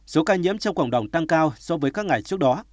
số ca nhiễm trong cộng đồng tăng cao so với các ngày trước đó